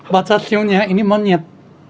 baca siunnya ini monyet